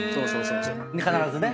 必ずね。